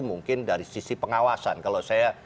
mungkin dari sisi pengawasan kalau saya